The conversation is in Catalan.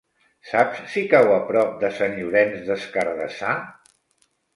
Saps si cau a prop de Sant Llorenç des Cardassar?